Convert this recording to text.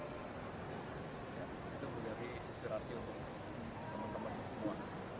itu menjadi inspirasi untuk teman teman semua